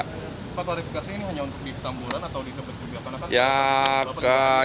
fakta verifikasi ini hanya untuk di petamburan atau di jepun juga